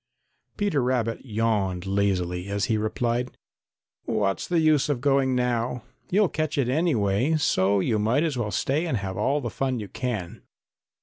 Peter Rabbit yawned lazily as he replied: "What's the use of going now? You'll catch it anyway, so you might as well stay and have all fun you can.